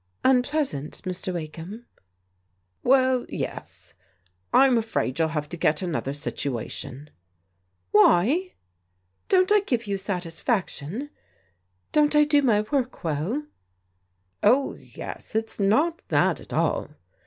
*' Unpleasant, Mr. Wakeham? "" Well, yes. I'm afraid you'll have to get another at uation." "Why? Don't I give you satisfaction? Don't I do my work well ?"" Oh, yes. It's not that at all.